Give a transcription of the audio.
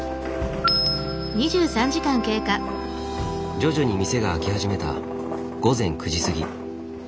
徐々に店が開き始めた午前９時過ぎ。